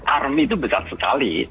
army itu besar sekali